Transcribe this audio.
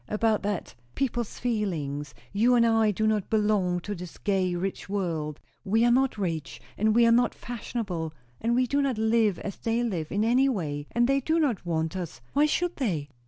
"About that; people's feelings. You and I do not belong to this gay, rich world; we are not rich, and we are not fashionable, and we do not live as they live, in any way; and they do not want us; why should they?"